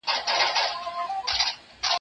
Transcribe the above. زه او ټوله نړۍ پوهېږي!.